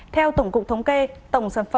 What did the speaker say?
theo tổng cục thống kê tổng sản phẩm